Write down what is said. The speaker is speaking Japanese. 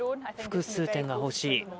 複数点が欲しい